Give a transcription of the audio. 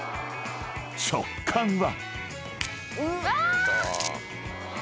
［食感は］